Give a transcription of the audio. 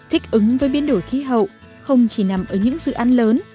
thích ứng với biến đổi khí hậu không chỉ nằm ở những dự án lớn